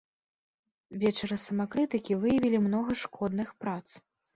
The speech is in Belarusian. Вечары самакрытыкі выявілі многа шкодных прац.